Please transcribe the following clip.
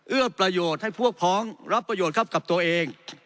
เอื้อประโยชน์ให้พวกพ้องรับประโยชน์ครับกับตัวเอง